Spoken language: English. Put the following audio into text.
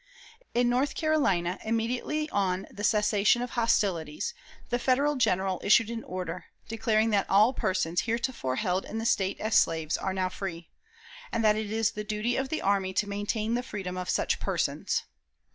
In North Carolina, immediately on the cessation of hostilities, the Federal General issued an order, declaring that "all persons heretofore held in the State as slaves are now free, and that it is the duty of the army to maintain the freedom of such persons."